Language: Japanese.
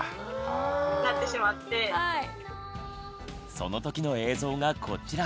そのときの映像がこちら。